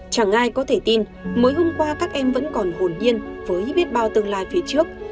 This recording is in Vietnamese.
chẳng ai có thể tin mối hôm qua các em vẫn còn hồn nhiên với biết bao tương lai phía trước